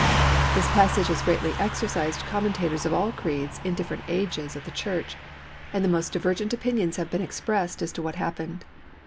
This passage has greatly exercised commentators of all creeds in different ages of the Church; and the most divergent opinions have been expressed as to what happened.